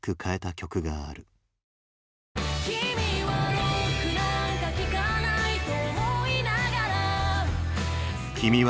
「君はロックなんか聴かないと思いながら」